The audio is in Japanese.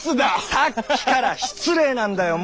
さっきから失礼なんだよッ！